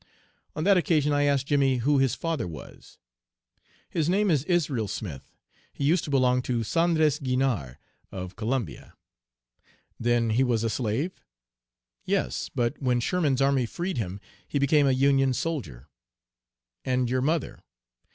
"On that occasion I asked Jimmy who his father was. "'His name is Israel Smith. He used to belong to Sandres Guignard, of Columbia.' "'Then he was a slave?' "'Yes, but when Sherman's army freed him he became a Union soldier.' "'And your mother?'